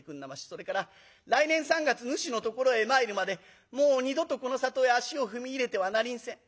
それから来年三月ぬしのところへ参るまでもう二度とこのさとへ足を踏み入れてはなりんせん。